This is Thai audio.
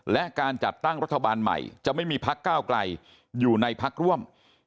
และการจัดตั้งรัฐบาลใหม่จะไม่มีพักก้าวไกลอยู่ในพักร่วม